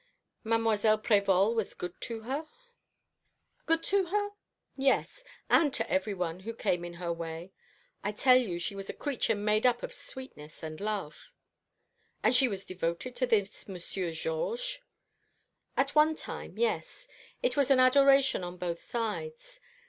"Mademoiselle Prévol was good to her?" "Good to her? Yes, and to every one who came in her way. I tell you she was a creature made up of sweetness and love." "And was she devoted to this Monsieur Georges?" "At one time, yes. It was an adoration on both sides.